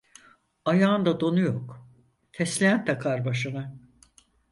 Ayağında donu yok, fesleğen takar başına.